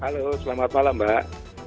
halo selamat malam mbak